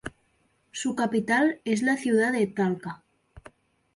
Su Capital es la Ciudad de Talca.